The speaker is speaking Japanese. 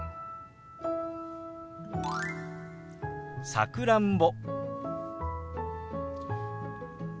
「さくらんぼ」。